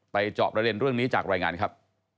จอบประเด็นเรื่องนี้จากรายงานครับ